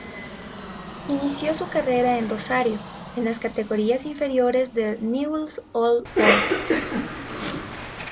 Inició su carrera en Rosario, en las categorías inferiores del Newell's Old Boys.